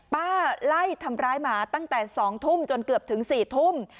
ไล่ทำร้ายหมาตั้งแต่๒ทุ่มจนเกือบถึง๔ทุ่ม